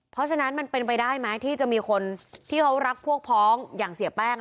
เพราะฉะนั้นมันเป็นไปได้ไหมที่จะมีคนที่เขารักพวกพ้องอย่างเสียแป้ง